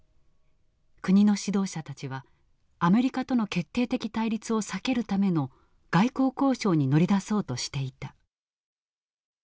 国の指導者たちはアメリカとの決定的対立を避けるための外交交渉に乗り出そうとしていた。